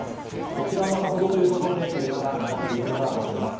こちらもさほど、というところで車が流れているのが分かります。